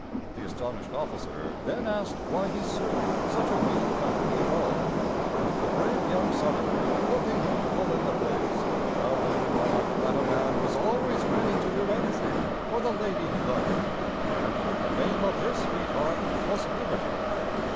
The astonished officer then asked why he served such a mean country at all; and the brave young Southerner, looking him full in the face, proudly remarked that a man was always ready to do anything for the lady he loved, and that the name of his sweetheart was Liberty.